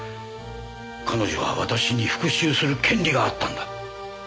彼女は私に復讐する権利があったんだ。